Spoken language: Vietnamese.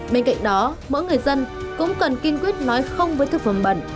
bên cạnh đó mỗi người dân cũng cần kiên quyết nói không với thực phẩm bẩn